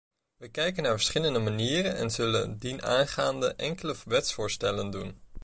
We kijken naar verschillende manieren en zullen dienaangaande enkele wetsvoorstellen doen.